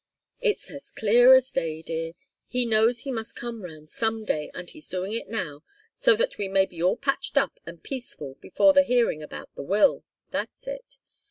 "It's as clear as day, dear. He knows he must come round some day, and he's doing it now, so that we may be all patched up and peaceful before the hearing about the will that's it.